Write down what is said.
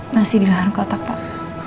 masih di lahan kotak pak